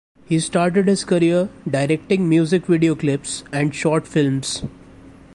He started his career directing music videoclips and short films.